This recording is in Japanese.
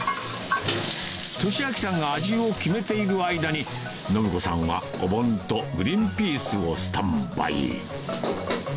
利昭さんが味を決めている間に、申子さんはお盆とグリーンピースをスタンバイ。